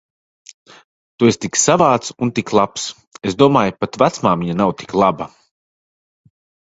Tu esi tik savāds un tik labs. Es domāju, pat vecmāmiņa nav tik laba.